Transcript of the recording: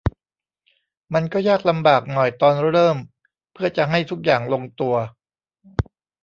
มันก็ยากลำบากหน่อยตอนเริ่มเพื่อจะให้ทุกอย่างลงตัว